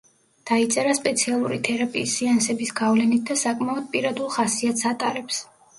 დაიწერა სპეციალური თერაპიის სეანსების გავლენით და საკმაოდ პირადულ ხასიათს ატარებს.